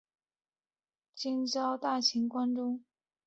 两人在京城遭尚膳监总管海大富擒进宫中。